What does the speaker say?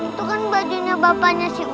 itu kan bajunya bapaknya si uda